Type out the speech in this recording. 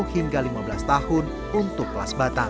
hingga lima belas tahun untuk kelas batam